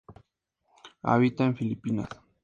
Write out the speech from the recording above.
Habita en Filipinas.